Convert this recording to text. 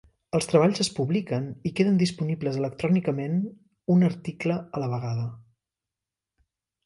Els treballs es publiquen i queden disponibles electrònicament un article a la vegada.